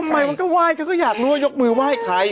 ทำไมเขาจะไหว้เธอก็อยากรู้ว่ายกมือไหว้ใคร